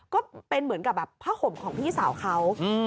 ก็เป็นเหมือนกับแบบผ้าห่มของพี่สาวเขา